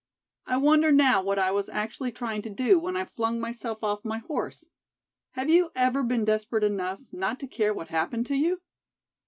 I wonder now what I was actually trying to do when I flung myself off my horse. Have you ever been desperate enough not to care what happened to you?"